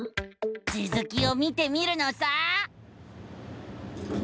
つづきを見てみるのさ！